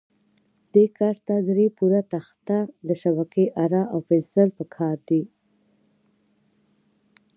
دې کار ته درې پوره تخته، د شبکې اره او پنسل په کار دي.